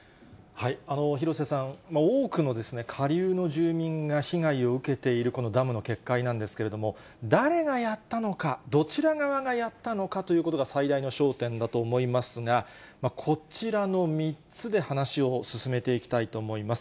廣瀬さん、多くの下流の住民が被害を受けているこのダムの決壊なんですけれども、誰がやったのか、どちら側がやったのかということが最大の焦点だと思いますが、こちらの３つで話を進めていきたいと思います。